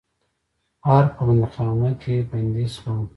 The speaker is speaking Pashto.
ارګ په بندیخانه کې بندي شوم.